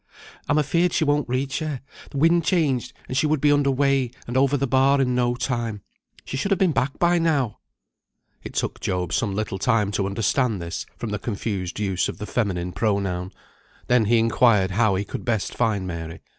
I'm afeared she won't reach her; wind changed and she would be under weigh, and over the bar in no time. She should have been back by now." It took Job some little time to understand this, from the confused use of the feminine pronoun. Then he inquired how he could best find Mary.